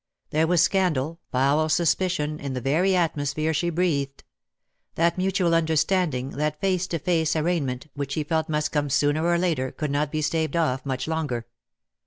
There was scandal — foul suspicion in the very atmosphere she breathed. That mutual understanding, that face to face arraignment, which he felt must come sooner or later, could not be staved off much longer.